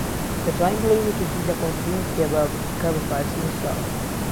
دەتوانین بڵێین یەکێکی لە كۆنترین كتێبە کە بە فارسی نوسراوە